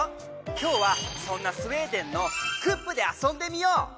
今日はそんなスウェーデンのクッブで遊んでみよう。